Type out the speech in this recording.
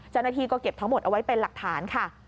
เจ้าหน้าที่ก็เก็บทั้งหมดเอาไว้เป็นหลักฐานค่ะ